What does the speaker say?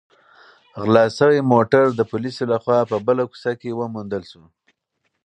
غلا شوی موټر د پولیسو لخوا په بله کوڅه کې وموندل شو.